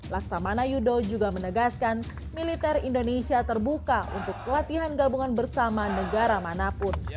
laksamana yudo juga menegaskan militer indonesia terbuka untuk latihan gabungan bersama negara manapun